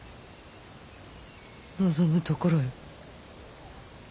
望むところよ。